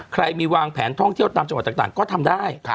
ใครมีวางแผนท่องเที่ยวตามจังหวัดต่างก็ทำได้